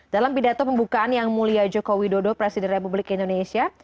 dalam pidato pembukaan yang mulia joko widodo presiden republik indonesia